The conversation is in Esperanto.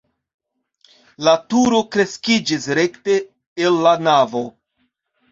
La turo kreskiĝis rekte el la navo.